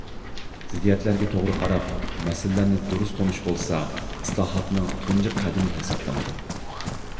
زىددىيەتلەرگە توغرا قاراپ، مەسىلىلەرنى دۇرۇس تونۇش بولسا، ئىسلاھاتنىڭ تۇنجى قەدىمى ھېسابلىنىدۇ.